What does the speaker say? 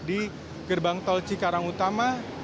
di gerbang tol cikarang utama